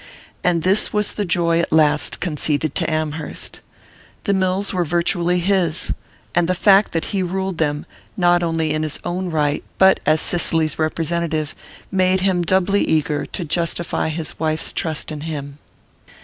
And this was the joy at last conceded to Amherst. The mills were virtually his; and the fact that he ruled them not only in his own right but as Cicely's representative, made him doubly eager to justify his wife's trust in him.